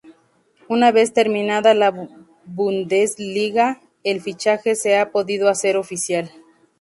Una vez terminada la Bundesliga el fichaje se ha podido hacer oficial.